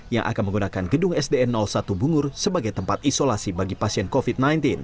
yang akan menggunakan gedung sdn satu bungur sebagai tempat isolasi bagi pasien covid sembilan belas